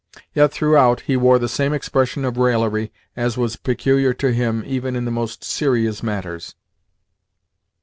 Yet throughout he wore the same expression of raillery as was peculiar to him even in the most serious matters.